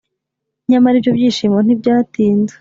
nyamara ibyo byishimo ntibyatinze,